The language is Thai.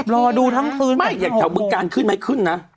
รอดูทั้งคืนอย่างเฉพาะเมืองกาลขึ้นไม่ขึ้นนะ